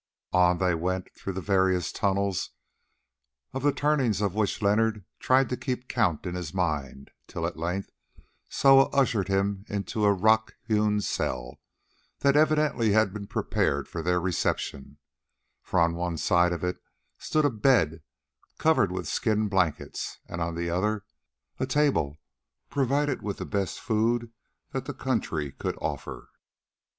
On they went through various tunnels, of the turnings of which Leonard tried to keep count in his mind, till at length Soa ushered him into a rock hewn cell that evidently had been prepared for their reception, for on one side of it stood a bed covered with skin blankets, and on the other a table provided with the best food that the country could offer.